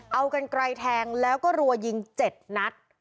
เอากันกลายแทงแล้วก็โรยิงเจ็ดนัด